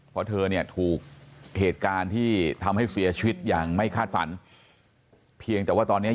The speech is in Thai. เพราะเธอเนี่ยถูกเหตุการณ์ที่ทำให้เสียชีวิตอย่างไม่คาดฝันเพียงแต่ว่าตอนนี้